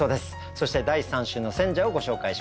そして第３週の選者をご紹介しましょう。